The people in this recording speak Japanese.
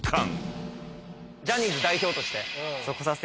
・ジャニーズ代表として。